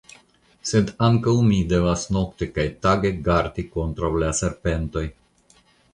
Sed ankaŭ mi devis nokte kaj tage gardi kontraŭ la serpentoj.